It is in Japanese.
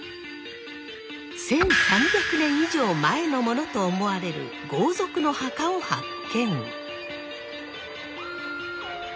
１，３００年以上前のものと思われる豪族の墓を発見！